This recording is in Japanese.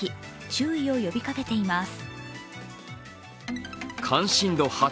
注意を呼びかけています。